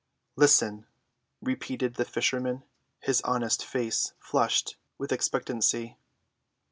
"Listen!" repeated the fisherman, his honest face flushed with expectancy.